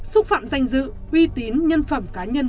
xúc phạm danh dự uy tín nhân phẩm cá nhân